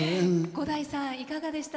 伍代さん、いかがでした？